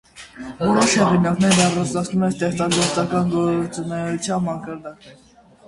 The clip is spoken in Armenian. Որոշ հեղինակներ առանձնացնում են ստեղծագործական գործունեության մակարդակներ։